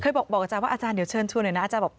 บอกอาจารย์ว่าอาจารย์เดี๋ยวเชิญชวนหน่อยนะอาจารย์บอก